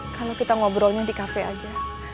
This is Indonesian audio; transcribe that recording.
kalau kita ngobrolnya di kafe aja